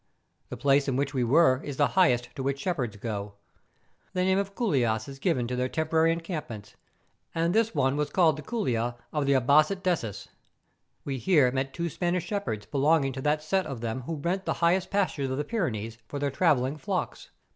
The place in which we were is the highest to which shepherds go. The name of couilas is given to their temporary encampments; and this one was called the couila of the Abassat dessus. We here met two Spanish shepherds belonging to that set of them who rent the highest pastures of the Pyrenees for their travelling flocks.